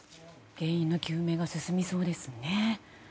原因の究明が進みそうですね。